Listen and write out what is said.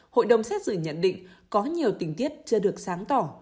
hội đồng xét xử nhận định có nhiều tình tiết chưa được sáng tỏ